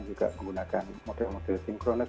juga menggunakan modul modul sinkronis